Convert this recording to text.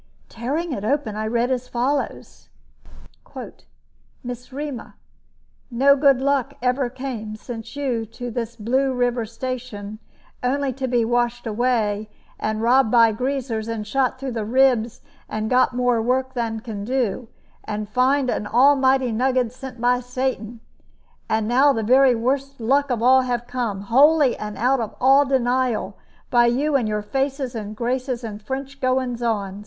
Tearing it open, I read as follows: "MISS 'REMA, No good luck ever came, since you, to this Blue River Station, only to be washed away, and robbed by greasers, and shot through the ribs, and got more work than can do, and find an almighty nugget sent by Satan. And now the very worst luck of all have come, wholly and out of all denial, by you and your faces and graces and French goings on.